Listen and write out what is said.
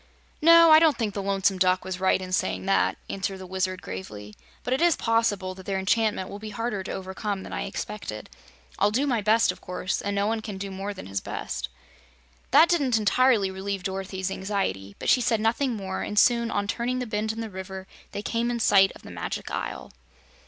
"No, I don't think the Lonesome Duck was right in saying that," answered the Wizard, gravely, "but it is possible that their enchantment will be harder to overcome than I expected. I'll do my best, of course, and no one can do more than his best." That didn't entirely relieve Dorothy's anxiety, but she said nothing more, and soon, on turning the bend in the river, they came in sight of the Magic Isle.